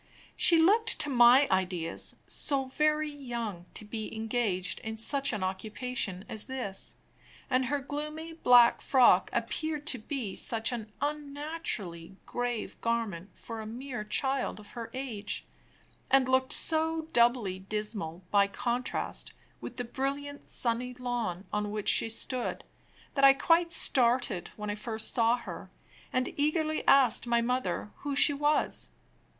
She looked, to my ideas, so very young to be engaged in such an occupation as this, and her gloomy black frock appeared to be such an unnaturally grave garment for a mere child of her age, and looked so doubly dismal by contrast with the brilliant sunny lawn on which she stood, that I quite started when I first saw her, and eagerly asked my mother who she was.